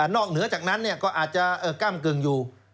นอกเหนือจากนั้นก็อาจจะกล้ามเกิงอยู่